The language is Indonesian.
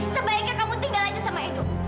sebaiknya kamu tinggal aja sama edu